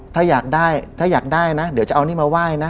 ถ้าอยากได้ถ้าอยากได้นะเดี๋ยวจะเอานี่มาไหว้นะ